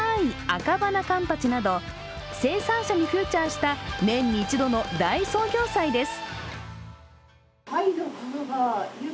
アカバナカンパチなど生産者にフィーチャーした年に一度の大創業祭です。